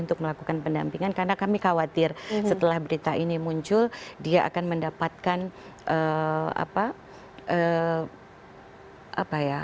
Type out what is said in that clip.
untuk melakukan pendampingan karena kami khawatir setelah berita ini muncul dia akan mendapatkan apa ya